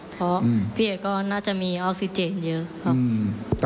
เพราะเวียดก็น่าจะมีออกซิเจนที่เยอะครับ